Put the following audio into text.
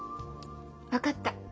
分かった。